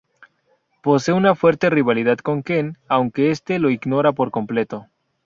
Posee una fuerte rivalidad con Ken, aunque este lo ignora por completo.